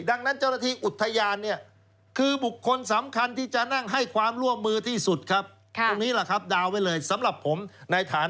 ดังนั้นเจ้าหน้าที่อุทยาน